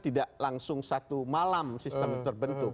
tidak langsung satu malam sistem itu terbentuk